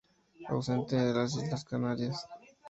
Ausente de las Islas Canarias.